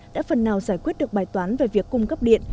đã phần nào giải quyết được bài toán về việc cung cấp điện